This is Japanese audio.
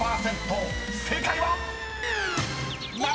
［正解は⁉］